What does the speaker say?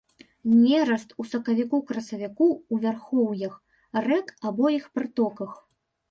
Нераст у сакавіку-красавіку ў вярхоўях рэк або іх прытоках.